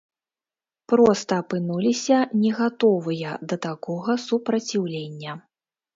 Проста апынуліся не гатовыя да такога супраціўлення.